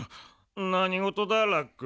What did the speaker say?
なにごとだラック。